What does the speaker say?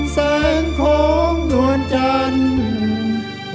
แสงโค้งนวลจันทร์